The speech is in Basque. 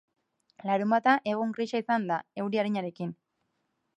Larunbata egun grisa izan da, euri arinarekin.